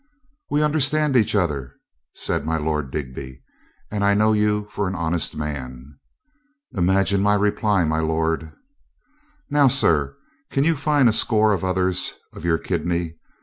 "We understand each other," said my Lord Dig by, "and I know you for an honest man." "Imagine my reply, my lord." "Now, sir, can you find a score of others of your kidney?